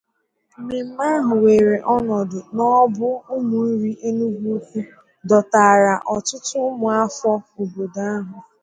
Mmemme ahụ wééré ọnọdụ n'Obu Ụmụnri Enugwu-Ukwu dọtàrà ọtụtụ ụmụafọ obodo ahụ